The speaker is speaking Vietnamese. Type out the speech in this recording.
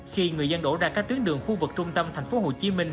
khi người dân đổ ra các tuyến đường khu vực trung tâm thành phố hồ chí minh